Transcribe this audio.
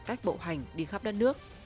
cách bộ hành đi khắp đất nước